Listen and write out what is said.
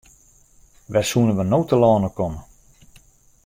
Wêr soenen we no telâne komme?